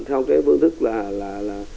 theo phương thức là